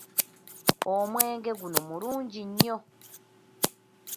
Omwenge guno mulungi nnyo.